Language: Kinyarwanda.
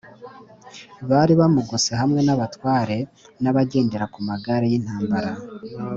Bari bamugose hamwe n’ abatware n’abagendera ku magare y’ intambara